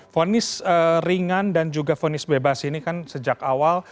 fonis ringan dan juga fonis bebas ini kan sejak awal